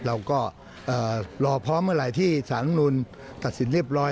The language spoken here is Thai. เราก็รอพร้อมเมื่อไหร่ที่สารรัฐมนุนตัดสินเรียบร้อย